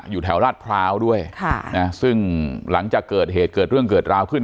แถวราชพร้าวด้วยค่ะนะซึ่งหลังจากเกิดเหตุเกิดเรื่องเกิดราวขึ้น